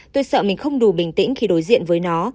tôi sợ mình không đủ bình tĩnh khi đối diện với nó